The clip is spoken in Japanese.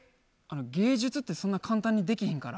芸術ってそんな簡単にできひんから。